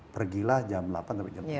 pergilah jam delapan sampai jam lima belas